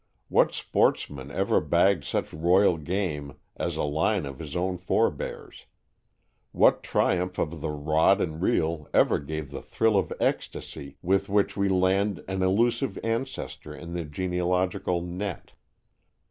What sportsman ever bagged such royal game as a line of his own forebears? What triumph of the rod and reel ever gave the thrill of ecstasy with which we land an elusive ancestor in the genealogical net?